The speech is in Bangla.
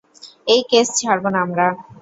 এই কেস ছাড়ব না আমরা।